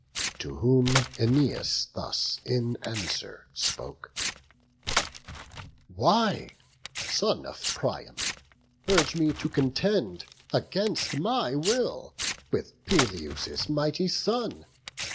To whom Æneas thus in answer spoke: "Why, son of Priam, urge me to contend, Against my will, with Peleus' mighty son?